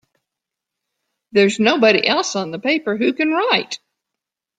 There's nobody else on the paper who can write!